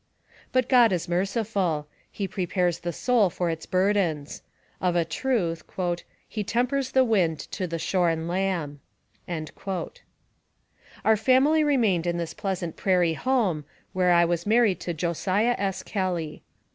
But God is merciful. He prepares the soul for its burdens. Of a truth, a He tempers the wind to the shorn lamb." Our family remained in this pleasant prairie home, where I was married to Josiah S. Kelly.